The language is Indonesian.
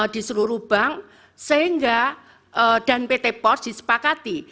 di seluruh bank sehingga dan pt pos disepakati